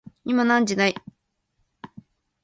今何時だい